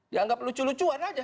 ya anggap lucu lucuan aja